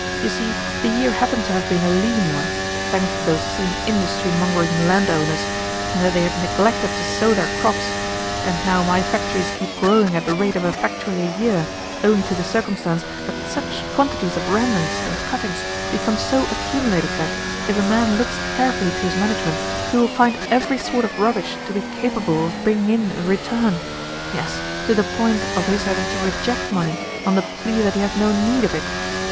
You see, the year happened to have been a lean one thanks to those same industry mongering landowners, in that they had neglected to sow their crops; and now my factories keep growing at the rate of a factory a year, owing to the circumstance that such quantities of remnants and cuttings become so accumulated that, if a man looks carefully to his management, he will find every sort of rubbish to be capable of bringing in a return yes, to the point of his having to reject money on the plea that he has no need of it.